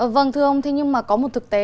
vâng thưa ông thế nhưng mà có một thực tế